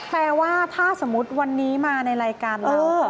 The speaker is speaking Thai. แปลว่าถ้าสมมุติวันนี้มาในรายการเรา